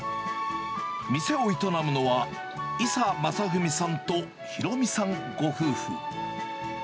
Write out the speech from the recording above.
店を営むのは、伊佐政文さんと、弘美さんご夫婦。